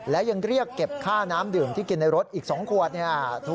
และยังเรียกเก็บค่าน้ำดื่มที่กินในรถอีก๒ขวดเนี่ย